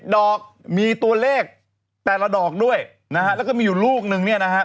ดอกมีตัวเลขแต่ละดอกด้วยนะฮะแล้วก็มีอยู่ลูกนึงเนี่ยนะฮะ